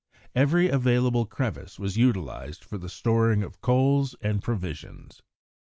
Every available crevice was utilised for the storing of coals and provisions.